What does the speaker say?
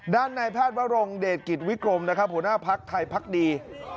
ด้านในพาสวรรค์เดชกิจวิกรมนะครับหัวหน้าภักดิ์ไทยภักดี